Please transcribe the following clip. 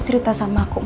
mas ini udah selesai